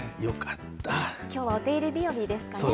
きょうはお手入れ日和ですか